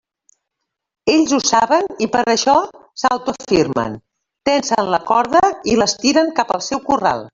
Ells ho saben i per això s'autoafirmen, tensen la corda i l'estiren cap al seu corral.